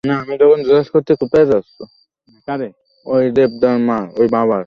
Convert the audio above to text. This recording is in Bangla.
অথবা আমার এভাবে থমকে যাওয়াটাই সবচেয়ে বাজে ব্যাপার।